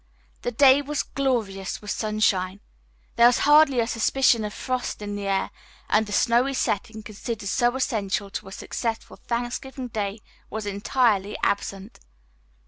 The day was glorious with sunshine. There was hardly a suspicion of frost in the air and the snowy setting considered so essential to a successful Thanksgiving Day was entirely absent.